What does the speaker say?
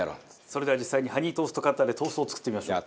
それでは実際にハニートーストカッターでトーストを作ってみましょう。